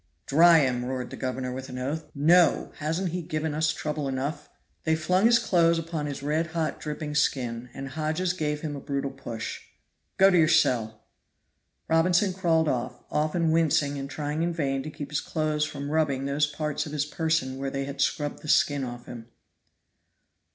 "Dry him!" roared the governor, with an oath. "No! Hasn't he given us trouble enough?" (Another oath.) They flung his clothes upon his red hot dripping skin, and Hodges gave him a brutal push. "Go to your cell." Robinson crawled off, often wincing and trying in vain to keep his clothes from rubbing those parts of his person where they had scrubbed the skin off him.